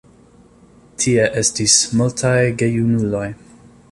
Tie estis multaj gejunuloj.